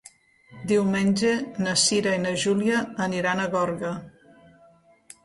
Diumenge na Cira i na Júlia aniran a Gorga.